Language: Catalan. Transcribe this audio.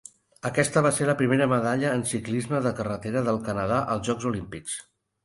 Aquesta va ser la primera medalla en ciclisme de carretera del Canadà als Jocs Olímpics.